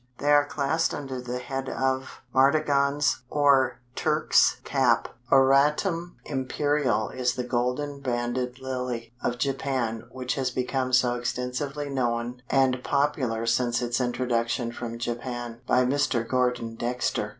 They are classed under the head of MARTAGONS, or TURKS CAP. Auratum Imperial is the Golden banded Lily of Japan which has become so extensively known and popular since its introduction from Japan by Mr. Gordon Dexter.